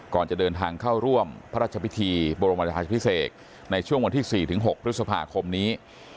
ก่อนจะเดินทางเข้าร่วมพระราชพิธีบรมราชาพิเศษในช่วงวันที่๔๖พฤษภาคมนี้